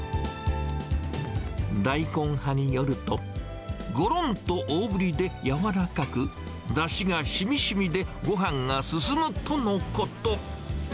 大根派によると、ごろんと大ぶりで柔らかく、だしがしみしみでごはんが進むとのこと。